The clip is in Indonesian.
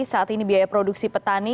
saat ini biaya produksi petani